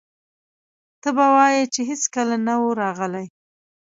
ته به وایې چې هېڅکله نه و راغلي.